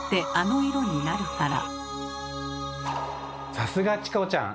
さすがチコちゃん！